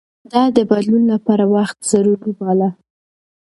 ده د بدلون لپاره وخت ضروري باله.